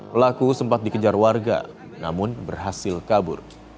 pelaku sempat dikejar warga namun berhasil kabur